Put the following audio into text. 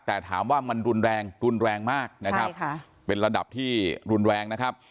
แต่ถามว่ามันรุนแรงรุนแรงมากนะครับเป็นระดับที่รุนแรงนะครับ